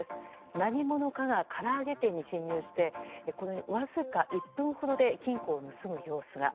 何者かが、から揚げ店に侵入してわずか１分ほどで金庫を盗む様子が。